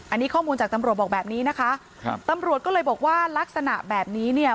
อันนี้ข้อมูลจากตำรวจบอกแบบนี้นะคะครับตำรวจก็เลยบอกว่าลักษณะแบบนี้เนี่ย